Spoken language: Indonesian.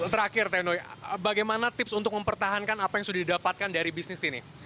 terakhir tenoy bagaimana tips untuk mempertahankan apa yang sudah didapatkan dari bisnis ini